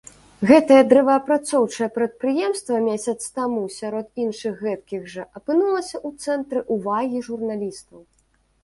Гэтае дрэваапрацоўчае прадпрыемства месяц таму сярод іншых гэткіх жа апынулася ў цэнтры ўвагі журналістаў.